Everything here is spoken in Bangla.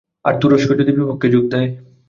আর তুরস্ক যদি বিপক্ষে যোগ দেয়?